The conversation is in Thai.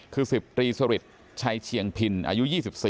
คือ๑๐ตรีสริทชัยเชียงพินอายุ๒๔